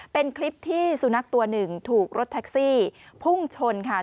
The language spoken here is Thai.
เป็นคลิปที่สุนัขตัวหนึ่งถูกรถแท็กซี่พุ่งชนค่ะ